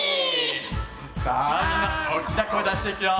さあみんなおっきなこえだしていくよ！